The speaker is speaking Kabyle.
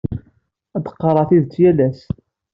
Ad d-qqareɣ tidet yal ass.